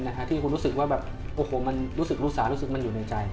บ๊วยหาที่คุณรู้สึกว่ารู้สาหรืออยู่ในใจมีบ้างมั้ย